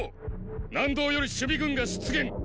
南道より守備軍が出現！